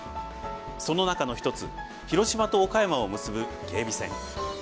その中の一つ広島と岡山を結ぶ芸備線。